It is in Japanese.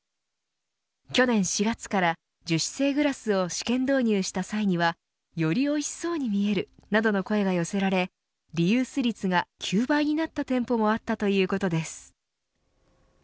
去年４月から樹脂製グラスを試験導入した際にはよりおいしそうに見えるなどの声が寄せられリユース率が９倍になった店舗もあったということです。